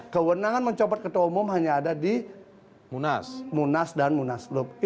kewenangan mencopot ketua umum hanya ada di munas dan munaslup